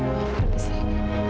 om berhenti saja